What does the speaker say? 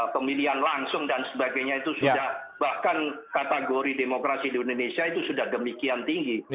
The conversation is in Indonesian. pemilihan langsung dan sebagainya itu sudah bahkan kategori demokrasi di indonesia itu sudah demikian tinggi